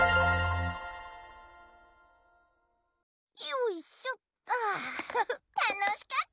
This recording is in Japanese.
よいしょっ。